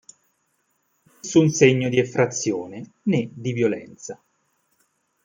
Nessun segno di effrazione, né di violenza.